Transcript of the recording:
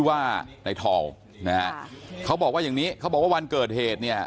ว่าในทองนะฮะเขาบอกว่าอย่างนี้เขาบอกว่าวันเกิดเหตุเนี่ย